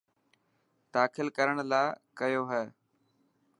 داخل ڪرڻ لاءِ ڪيو هي.